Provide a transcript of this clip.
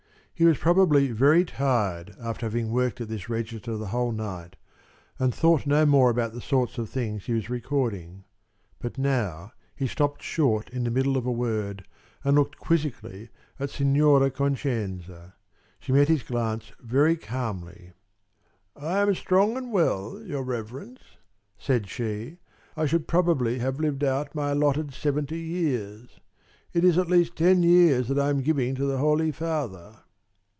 He was probably very tired after having worked at this register the whole night, and thought no more about the sort of things he was recording. But now he stopped short in the middle of a word and looked quizzically at Signora Concenza. She met his glance very calmly. "I am strong and well, your Reverence," said she. "I should probably have lived out my allotted seventy years. It is at least ten years that I am giving to the Holy Father."